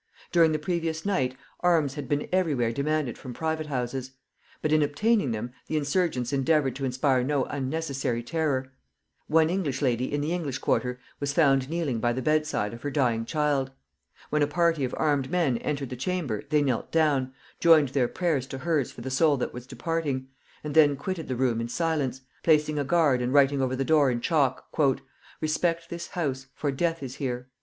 During the previous night, arms had been everywhere demanded from private houses; but in obtaining them the insurgents endeavored to inspire no unnecessary terror. One lady in the English quarter was found kneeling by the bedside of her dying child. When a party of armed men entered the chamber they knelt down, joined their prayers to hers for the soul that was departing, and then quitted the room in silence, placing a guard and writing over the door in chalk: "Respect this house, for death is here."